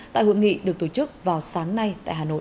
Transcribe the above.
tại hội nghị được tổ chức vào sáng nay tại hà nội